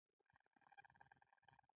د زیارت سیمه په ونو ښکلې ده .